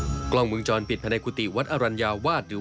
สวมหน้ากากอนามัยปิดบางใบหน้าแอบเข้าไปขโมยเงินบริจาคที่วัดแห่งหนึ่ง